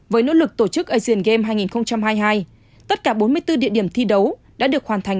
với nỗ lực tổ chức asian game hai nghìn hai mươi hai tất cả bốn mươi bốn địa điểm thi đấu đã được hoàn thành